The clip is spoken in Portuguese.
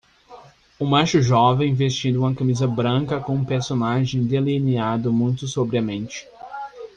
Um macho jovem vestindo uma camisa branca com um personagem delineado muito sombriamente.